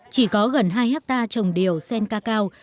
chỉ có gần hai hectare trồng điều sen cacao